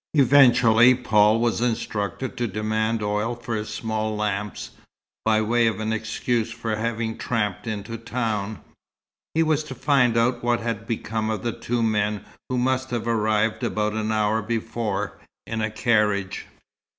Eventually Paul was instructed to demand oil for his small lamps, by way of an excuse for having tramped into town. He was to find out what had become of the two men who must have arrived about an hour before, in a carriage.